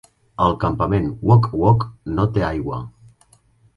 El campament Wog Wog no té aigua.